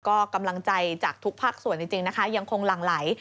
ก็กำลังใจจากทุกภาคส่วนจริงนะคะยังคงหลั่งไหล